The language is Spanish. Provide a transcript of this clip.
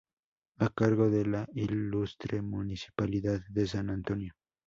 A cargo de la Ilustre Municipalidad de San Antonio